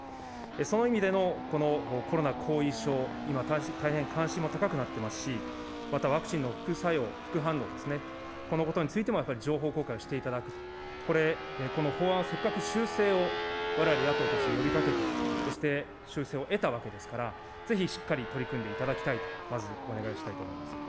その意味でのこのコロナ後遺症、今、大変関心も高くなっていますし、また、ワクチンの副作用、副反応ですね、このことについてもやっぱり情報公開をしていただくと、これ、この法案、せっかく修正をわれわれ野党として呼びかけて、そして修正を得たわけですから、ぜひしっかり取り組んでいただきたいと、まずお願いしたいと思います。